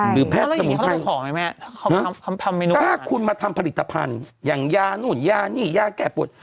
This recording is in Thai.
หรือแพทย์สมุทรถ้าคุณมาทำผลิตภัณฑ์อย่างยานู่นยานี่ยาแก่ปวด